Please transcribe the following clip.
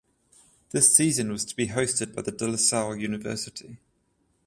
This season was to be hosted by the De La Salle University.